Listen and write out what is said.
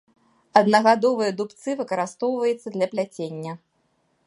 Аднагадовыя дубцы выкарыстоўваецца для пляцення.